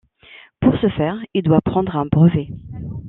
Pour ce faire, il doit prendre un brevet.